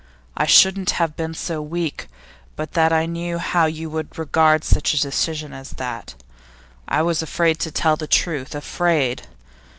I shouldn't have been so weak but that I knew how you would regard such a decision as that. I was afraid to tell the truth afraid.